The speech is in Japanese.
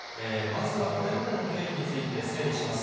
まずはこれまでの経緯について整理します。